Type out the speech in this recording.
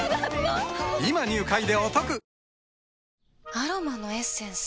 アロマのエッセンス？